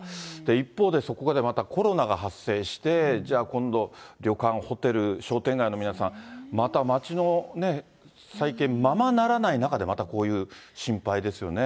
一方で、そこでまたコロナが発生して、じゃあ今度、旅館、ホテル、商店街の皆さん、また町の再建ままならない中で、また、こういう心配ですよね。